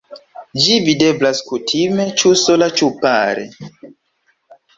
Ĝi videblas kutime ĉu sola ĉu pare.